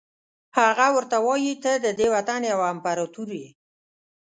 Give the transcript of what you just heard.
هغه ورته وایي ته ددې وطن یو امپراتور یې.